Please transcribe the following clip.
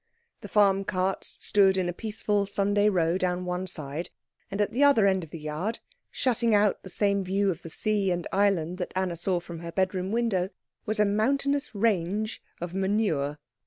The farm carts stood in a peaceful Sunday row down one side, and at the other end of the yard, shutting out the same view of the sea and island that Anna saw from her bedroom window, was a mountainous range of manure.